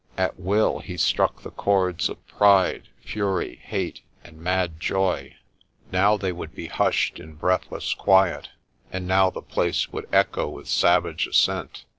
At will he struck the chords of pride, fury, hate, and mad joy. Now they would be hushed in breathless quiet, and now the place would echo with savage assent.